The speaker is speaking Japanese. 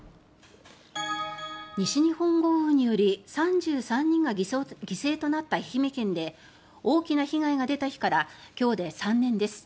西日本豪雨により３３人が犠牲となった愛媛県で大きな被害が出た日から今日で３年です。